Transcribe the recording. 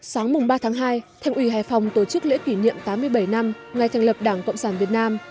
sáng ba tháng hai thành ủy hải phòng tổ chức lễ kỷ niệm tám mươi bảy năm ngày thành lập đảng cộng sản việt nam